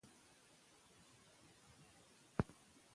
که بدن ګرم شي، خوله یې وځي.